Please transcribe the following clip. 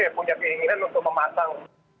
punya keinginan untuk memasang